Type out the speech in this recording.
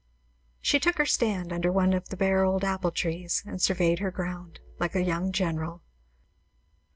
She took her stand under one of the bare old apple trees, and surveyed her ground, like a young general.